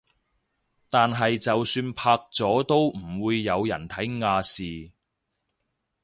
但係就算拍咗都唔會有人睇亞視